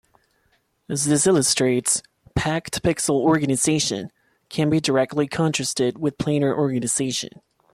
As this illustrates, packed pixel organization can be directly contrasted with planar organization.